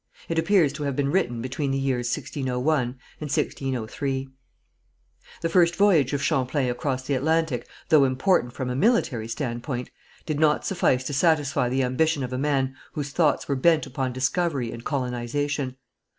It appears to have been written between the years 1601 and 1603. The first voyage of Champlain across the Atlantic, though important from a military standpoint, did not suffice to satisfy the ambition of a man whose thoughts were bent upon discovery and colonization.